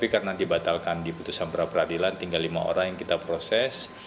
karena dibatalkan di putusan pra peradilan tinggal lima orang yang kita proses